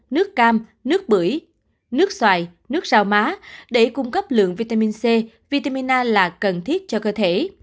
nước cam nước bưởi nước xoài nước sao má để cung cấp lượng vitamin c vitamin a là cần thiết cho cơ thể